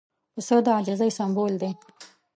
پسه د عاجزۍ سمبول دی.